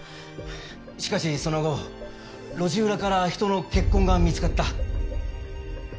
しかしその後路地裏から人の血痕が見つかった。